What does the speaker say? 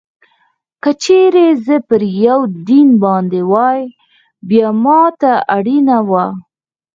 که چېرې زه پر یوه دین باندې وای، بیا ما ته اړینه وه.